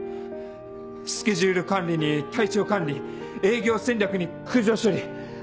スケジュール管理に体調管理営業戦略に苦情処理。